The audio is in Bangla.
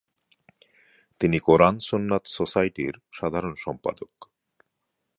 তিনি কুরআন সুন্নাত সোসাইটির সাধারণ সম্পাদক।